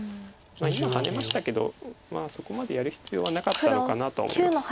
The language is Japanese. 今ハネましたけどまあそこまでやる必要はなかったのかなとは思います。